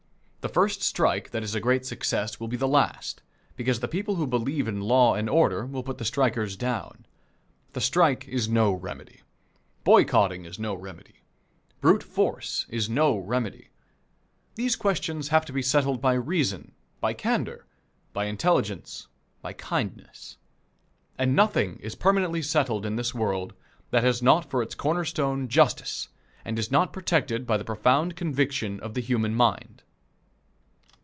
The first strike that is a great success will be the last, because the people who believe in law and order will put the strikers down. The strike is no remedy. Boycotting is no remedy. Brute force is no remedy. These questions have to be settled by reason, by candor, by intelligence, by kindness; and nothing is permanently settled in this world that has not for its corner stone justice, and is not protected by the profound conviction of the human mind.